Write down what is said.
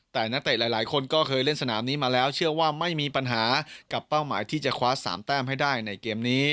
แต่นักเตะหลายคนก็เคยเล่นสนามนี้มาแล้วเชื่อว่าไม่มีปัญหากับเป้าหมายที่จะคว้า๓แต้มให้ได้ในเกมนี้